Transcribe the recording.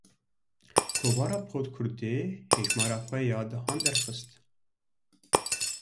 Kovara Popkurdê hejmara xwe ya dehan derxist.